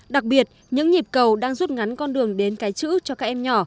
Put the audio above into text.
đặc biệt những nhịp cầu đang rút ngắn con đường đến cái chữ cho các em nhỏ